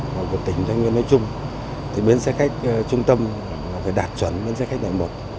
và của tỉnh thái nguyên nói chung bến xe khách trung tâm phải đạt chuẩn bến xe khách nội một